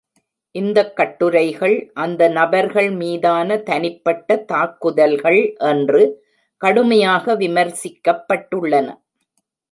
இந்தக் கட்டுரைகள், அந்த நபர்கள் மீதான தனிப்பட்ட தாக்குதல்கள் என்று கடுமையாக விமர்சிக்கப்பட்டுள்ளன.